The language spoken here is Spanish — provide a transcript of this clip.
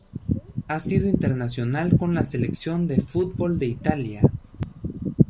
Ha sido internacional con la selección de fútbol de Italia.